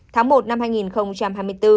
tháng một năm hai nghìn hai mươi bốn